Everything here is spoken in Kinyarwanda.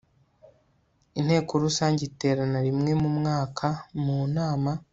Inteko Rusange iterana rimwe mu mwka mu nama